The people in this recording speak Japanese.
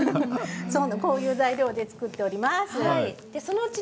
こういう材料で作っています。